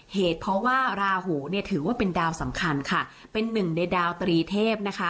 เหตุเพราะว่าราหูเนี่ยถือว่าเป็นดาวสำคัญค่ะเป็นหนึ่งในดาวตรีเทพนะคะ